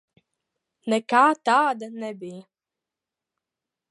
Nekā tāda nebija.